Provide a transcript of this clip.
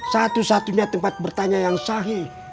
satu satunya tempat bertanya yang sahih